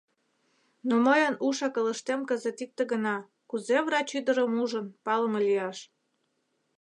Но мыйын уш-акылыштем кызыт икте гына: кузе врач ӱдырым ужын, палыме лияш?